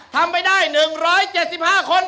ทำไปได้๑๗๕คน